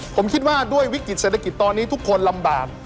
ถ้าด้วยวิกฤตเศรษฐกิจตอนนี้ทุกคนลำบาก